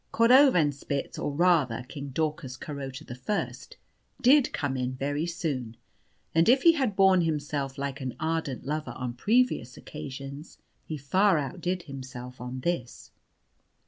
Cordovanspitz or rather, King Daucus Carota the First did come in very soon, and if he had borne himself like an ardent lover on previous occasions, he far outdid himself on this.